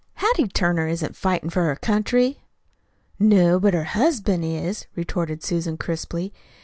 "Hattie Turner isn't fightin' for her country." "No, but her husband is," retorted Susan crisply.